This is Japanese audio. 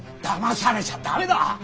だまされちゃ駄目だ！